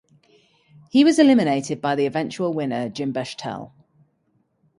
He was eliminated by the eventual winner, Jim Bechtel.